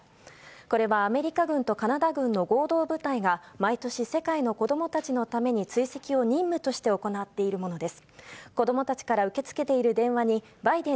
これは、アメリカ軍とカナダ軍の合同部隊が、毎年、世界の子どもたちのために追跡を任務として行っているものです。